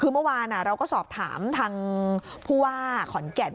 คือเมื่อวานเราก็สอบถามทางผู้ว่าขอนแก่น